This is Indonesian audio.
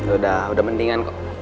udah udah mendingan kok